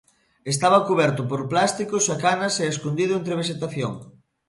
Estaba cuberto por plásticos e canas e escondido entre a vexetación.